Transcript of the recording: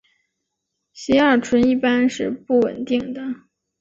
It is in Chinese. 偕二醇一般是不稳定的。